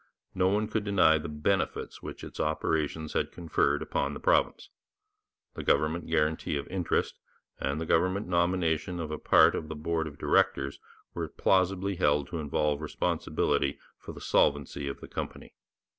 No one could deny the benefits which its operations had conferred upon the province. The government guarantee of interest and the government nomination of a part of the board of directors were plausibly held to involve responsibility for the solvency of the company.